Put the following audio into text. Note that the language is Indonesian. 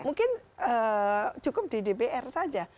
mungkin cukup di dpr saja